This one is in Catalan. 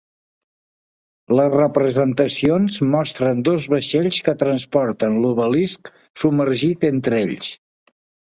Les representacions mostren dos vaixells que transporten l'obelisc submergit entre ells.